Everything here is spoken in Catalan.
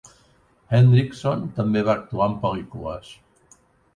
Hendrickson també va actuar en pel·lícules.